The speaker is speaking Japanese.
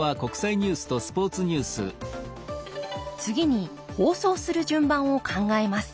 次に放送する順番を考えます。